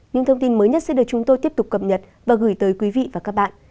những thông tin mới nhất sẽ được chúng tôi tiếp tục cập nhật và gửi tới quý vị và các bạn